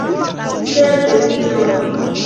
Certe, Sinjoro!